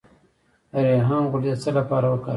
د ریحان غوړي د څه لپاره وکاروم؟